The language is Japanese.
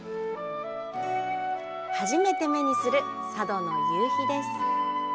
初めて目にする佐渡の夕日です。